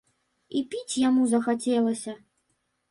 І піць яму захацелася.